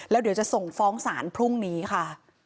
แล้วเดี๋ยวจะส่งฟ้องศาลพรุ่งนี้ค่ะ